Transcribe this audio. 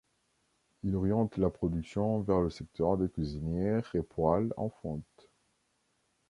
Il oriente la production vers le secteur des cuisinières et poêles en fonte.